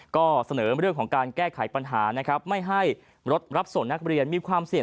ก็เสนอเรื่องของการแก้ไขปัญหานะครับไม่ให้รถรับส่งนักเรียนมีความเสี่ยง